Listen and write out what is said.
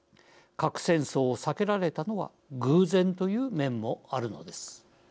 核戦争を避けられたのは偶然という面もあるのです。